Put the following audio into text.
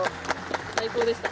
最高でした。